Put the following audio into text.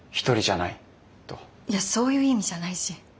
いやそういう意味じゃないし。